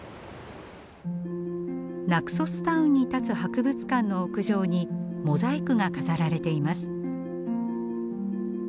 ナクソスタウンに建つ博物館の屋上にモザイクが飾られています。